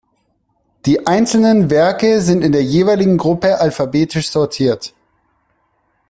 Die einzelnen Werke sind in der jeweiligen Gruppe alphabetisch sortiert.